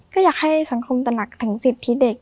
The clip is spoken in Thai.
ก็อยากให้สังคมตระหนักถึงสิทธิเด็ก